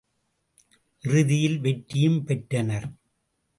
இறுதியில் வெற்றியும் பெற்றனர்.